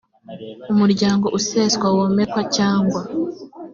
umuryango useswa womekwa cyangwa